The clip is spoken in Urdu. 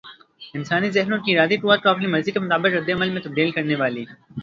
انسانی ذہنوں کی ارادی قوت کو اپنی مرضی کے مطابق ردعمل میں تبدیل کرنے والی